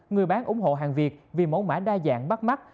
người bán ủng hộ hàng việt vì mẫu mã đa dạng bắt mắt